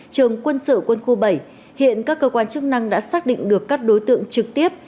trường quân sự quân khu bảy hiện các cơ quan chức năng đã xác định được các đối tượng trực tiếp